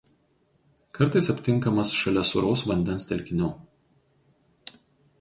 Kartais aptinkamas šalia sūraus vandens telkinių.